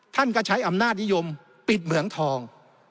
ท่านก็ใช้อำนาจนิยมปิดเหมืองทอง